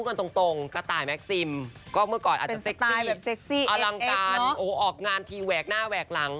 อลังการออกงานทีแหวกหน้าแหวกหลัง